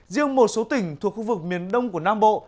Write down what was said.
riêng một số tỉnh thuộc khu vực miền đông của nam bộ